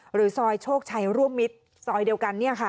หรือซอยโชคชัยร่วมมิตรซอยเดียวกัน